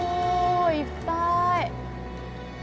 いっぱい！